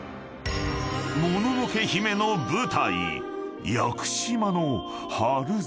［『もののけ姫』の舞台］